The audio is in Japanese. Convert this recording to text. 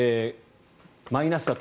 マイナスだと。